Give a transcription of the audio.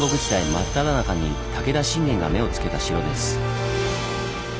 真っただ中に武田信玄が目をつけた城です。